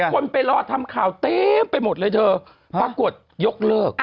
คนไปรอทำข่าวเต็มไปหมดเลยเธอปรากฏยกเลิก